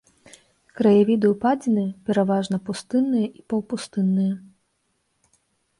Краявіды ўпадзіны пераважна пустынныя і паўпустынныя.